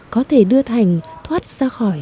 có thể đưa thành thoát ra khỏi